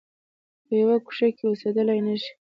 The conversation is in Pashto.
په یوه ګوښه کې اوسېدلای نه شي.